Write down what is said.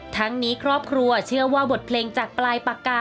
ทั้งนี้ครอบครัวเชื่อว่าบทเพลงจากปลายปากกา